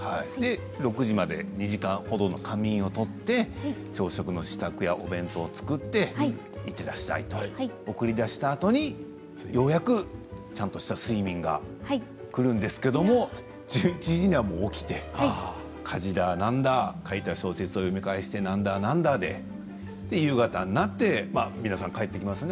６時まで２時間ほどの仮眠を取って朝食の支度、お弁当を作っていってらっしゃいと送り出したあとにようやくちゃんとした睡眠がくるんですけれども１１時には起きて家事だ何だ書いた小説を読み返してなんだなんだって夕方になって皆さん帰ってきますね。